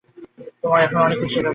তোমার এখনও অনেক কিছু শেখা বাকি।